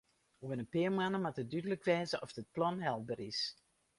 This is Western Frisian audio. Oer in pear moanne moat dúdlik wêze oft it plan helber is.